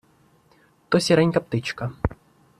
То сіренька птичка.